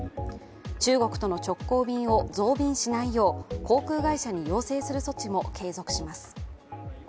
中国との直行便を増便しないよう航空会社に要請する措置も継続します。